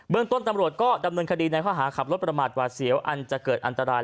ต้นตำรวจก็ดำเนินคดีในข้อหาขับรถประมาทหวาดเสียวอันจะเกิดอันตราย